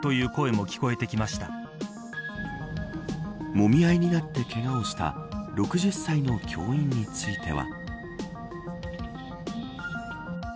もみ合いになって、けがをした６０歳の教員については。